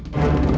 dua ya pak